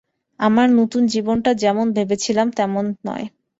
আমার নতুন জীবনটা যেমন ভেবেছিলাম, তেমন নয়।